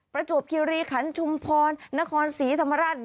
ประจวบคิริขันชุมพรนครศรีธรรมราช